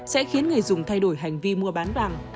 sẽ khiến người dùng thay đổi hành vi mua bán vàng